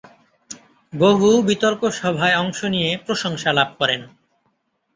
বহু বিতর্ক সভায় অংশ নিয়ে প্রশংসা লাভ করেন।